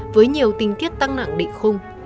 với nhiều tinh tiết tăng nặng định khung